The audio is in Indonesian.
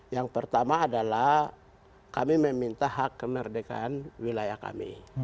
yang pertama adalah kami meminta hak kemerdekaan wilayah kami